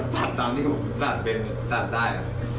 ผมก็ตัดตามที่ผมตัดได้